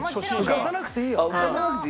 浮かさなくていいよ。